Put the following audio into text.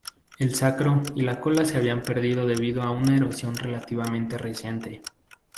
El sacro y la cola se habían perdido debido a una erosión relativamente reciente.